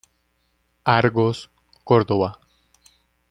Argos, Córdoba.